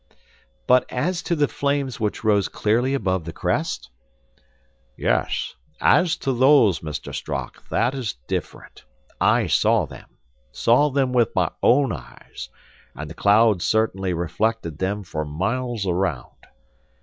"But as to the flames which rose clearly above the crest?" "Yes, as to those, Mr. Strock, that is different. I saw them; saw them with my own eyes, and the clouds certainly reflected them for miles around.